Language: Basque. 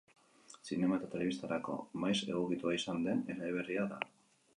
Zinema eta telebistarako maiz egokitua izan den eleberria da.